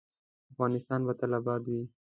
افغانستان به تل اباد وي